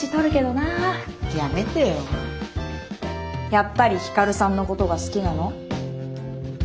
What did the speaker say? やっぱり光さんのことが好きなの？